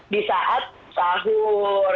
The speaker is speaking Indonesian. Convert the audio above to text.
di saat sahur